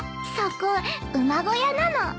そこ馬小屋なの。